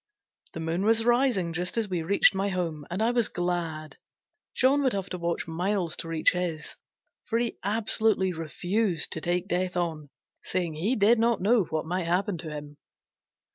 The moon was rising just as we reached my home, and I was glad: John would have to walk miles to reach his, for he absolutely refused to take Death on, saying he did not know what might happen to him.